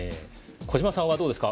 小島さんはどうですか？